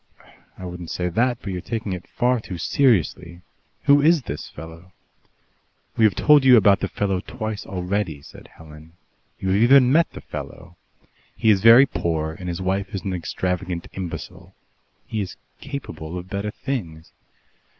"I wouldn't say that, but you're taking it far too seriously. Who is this fellow?" "We have told you about the fellow twice already," said Helen. "You have even met the fellow. He is very poor and his wife is an extravagant imbecile. He is capable of better things.